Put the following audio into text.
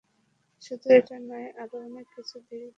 শুধু এটা নয়, আরও অনেক কিছুই ধীরে ধীরে তার ওপর বর্তাচ্ছে।